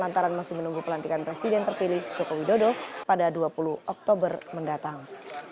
lantaran masih menunggu pelantikan presiden terpilih joko widodo pada dua puluh oktober mendatang